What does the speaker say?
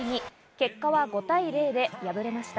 結果は５対０で敗れました。